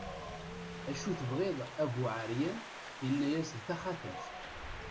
acu tebɣiḍ a bu ɛeryan, yenna-as d taxatemt